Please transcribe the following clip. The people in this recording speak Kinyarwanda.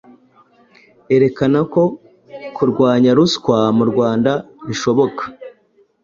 Erekana ko kurwanya ruswa mu Rwanda bishoboka.